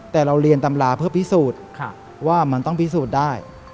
แต่เราเรียนตำราเพื่อพิสูจน์ว่ามันต้องพิสูจน์ได้